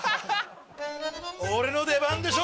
俺の出番でしょ